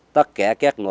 tất cả các ngôi